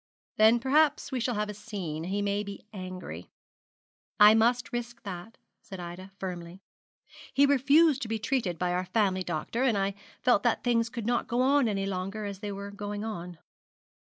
'Then perhaps we shall have a scene. He may be angry.' 'I must risk that,' said Ida, firmly. 'He refused to be treated by our family doctor, and I felt that things could not go on any longer as they were going on.'